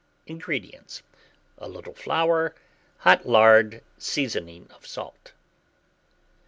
INGREDIENTS. A little flour, hot lard, seasoning of salt.